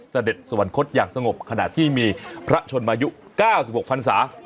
เสด็จสวรรคตอย่างสงบขณะที่มีพระชนมายุ๙๖พันศา